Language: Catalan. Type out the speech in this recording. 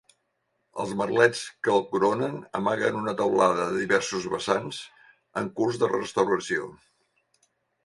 Els merlets que el coronen amaguen una teulada de diversos vessants, en curs de restauració.